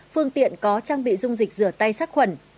phương tiện có trang bị dung dịch rửa tay sát khuẩn